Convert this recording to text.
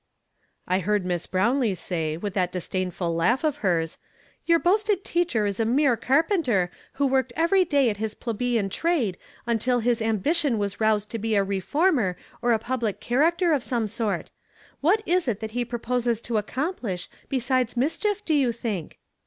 ''I hens J ;.iis., I'lrownlee say, with Ihut disdain ful laugh of hei s, • Your hoasted teacher is a nuie carpenter, who worked every day at his plebeian trade, until his and)ition \\as roused to he a re former, or a i)ublic character of sonu' sort. What is it that he pi'oposes to accoii^ilish, besides mis chief, do you think?'